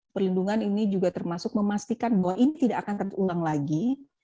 perlindungan ini juga termasuk memastikan bahwa ini tidak akan terulang lagi